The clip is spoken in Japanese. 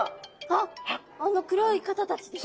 あっあの黒い方たちです。